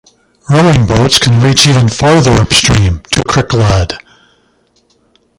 Rowing boats can reach even further upstream, to Cricklade.